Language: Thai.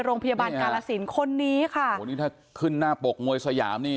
โรงพยาบาลกาลสินคนนี้ค่ะโหนี่ถ้าขึ้นหน้าปกมวยสยามนี่